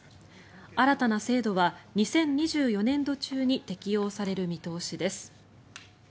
新たな制度は２０２４年度中に適用される見通しです。